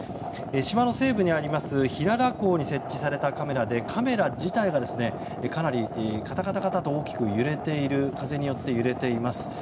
島の西部にあります平良港に設置されたカメラでカメラ自体がかなりカタカタと大きく風によって揺れています。